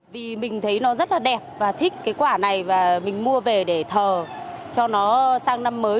vì mình thấy nó rất là đẹp và thích cái quả này và mình mua về để thờ cho nó sang năm mới